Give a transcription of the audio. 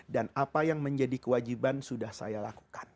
dan apa yang menjadi kewajiban sudah saya lakukan